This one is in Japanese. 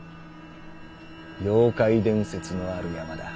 妖怪伝説のある山だ。